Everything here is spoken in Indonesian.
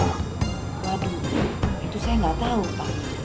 waduh itu saya gak tau pak